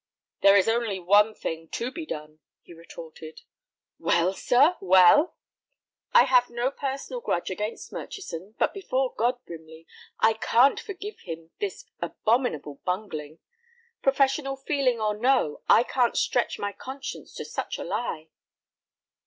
"There is only one thing to be done," he retorted. "Well, sir, well?" "I have no personal grudge against Murchison, but before God, Brimley, I can't forgive him this abominable bungling. Professional feeling or no, I can't stretch my conscience to such a lie."